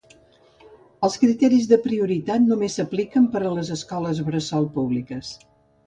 Els criteris de prioritat només s'apliquen per a les escoles bressol públiques.